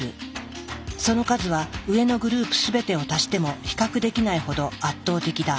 その数は上のグループ全てを足しても比較できないほど圧倒的だ。